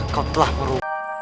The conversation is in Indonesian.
kau telah meru